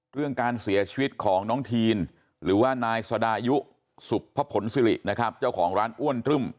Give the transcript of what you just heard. เรื่องการเสียชีวิตของน้องทีนหรือว่านายสดายุสุภผลซิรินะครับเจ้าของร้านอ้วนตรึ่ม